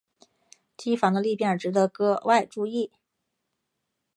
机房的立面值得格外注意。